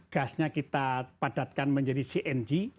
gasnya kita padatkan menjadi cng